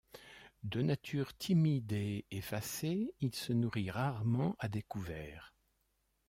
De nature timide et effacée, il se nourrit rarement à découvert.